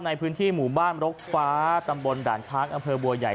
ในพื้นที่หมู่บ้านรกฟ้าตำบลด่านช้างอำเภอบัวใหญ่